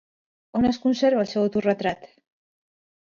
On es conserva el seu autoretrat?